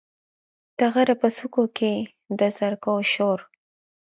د غره په څوکو کې، د زرکو شور،